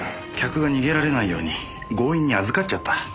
客が逃げられないように強引に預かっちゃった？